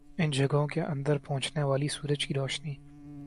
ان جگہوں کے اندر پہنچنے والی سورج کی روشنی